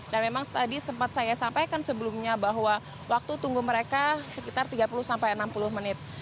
dan memang tadi sempat saya sampaikan sebelumnya bahwa waktu tunggu mereka sekitar tiga puluh sampai enam puluh menit